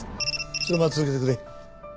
そのまま続けてくれ。